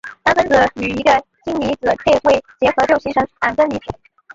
氨分子与一个氢离子配位结合就形成铵根离子。